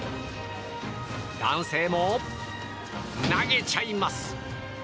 男性も投げちゃいます！